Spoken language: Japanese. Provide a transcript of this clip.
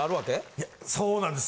いやそうなんです。